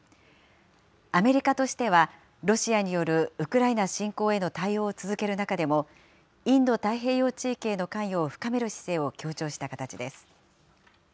アメリカとしては、ロシアによるウクライナ侵攻への対応を続ける中でも、インド太平洋地域への関与を深める姿勢を強調した形です。